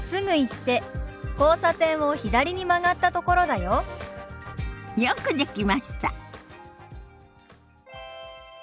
よくできました。